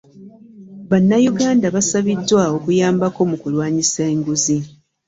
Bannayuganda basabiddwa okuyambako mu kulwanyisa enguzi